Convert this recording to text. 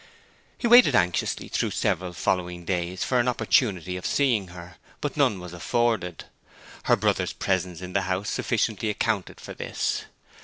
He waited anxiously through several following days for an opportunity of seeing her, but none was afforded. Her brother's presence in the house sufficiently accounted for this.